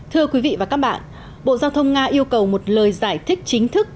thưa quý vị và các bạn bộ giao thông nga yêu cầu một lời giải thích chính thức